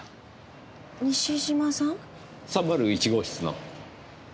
３０１号室の。